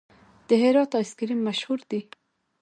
د هرات آیس کریم مشهور دی؟